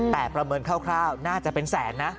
แต่ประเมินคร่าวน่าจะเป็นแสนนะ